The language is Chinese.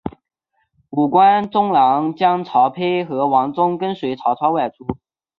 五官中郎将曹丕和王忠跟随曹操外出。